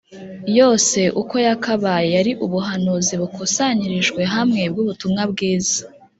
yose uko yakabaye yari ubuhanuzi bukusanyirijwe hamwe bw’ubutumwa bwiza